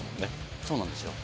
そうなんですよ。